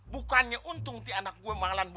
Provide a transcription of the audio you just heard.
bukannya untung ti anak gue mahalan duitnya